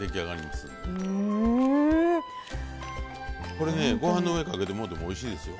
これねご飯の上にかけてもうてもおいしいですよ。